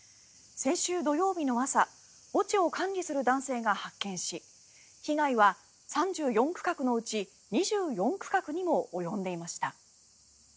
先週土曜日の朝墓地を管理する男性が発見し被害は３４区画のうち２４区画にも及んでいました。